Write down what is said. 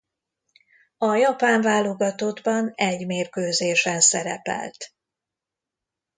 A japán válogatottban egy mérkőzésen szerepelt.